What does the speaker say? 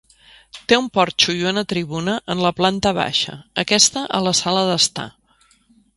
Té un porxo i una tribuna en la planta baixa, aquesta a la sala d'estar.